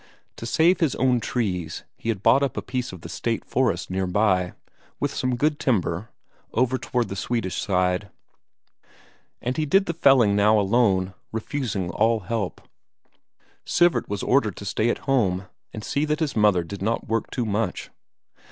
To save his own trees he had bought up a piece of the State forest near by, with some good timber, over toward the Swedish side, and he did the felling now alone, refusing all help. Sivert was ordered to stay at home and see that his mother did not work too much.